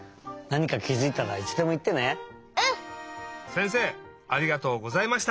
せんせいありがとうございました。